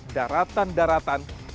daratan daratan yang terjadi di jakarta